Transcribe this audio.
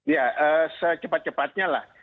ya secepat cepatnya lah